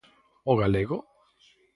O galego?